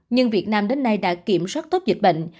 nhưng việt nam đến nay đã kiểm soát tốt dịch bệnh